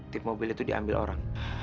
tip mobil itu diambil orang